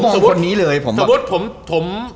สมมุติผม